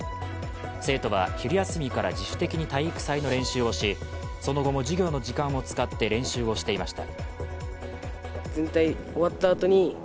生徒は昼休みから自主的に体育祭の練習をしその後も、授業の時間を使って練習をしていました。